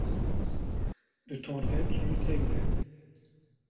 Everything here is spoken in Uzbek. — Dutorga kim tegdi?